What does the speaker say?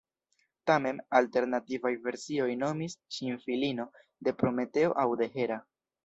Tamen, alternativaj versioj nomis ŝin filino de Prometeo aŭ de Hera.